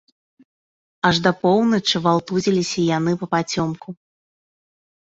Аж да поўначы валтузіліся яны папацёмку.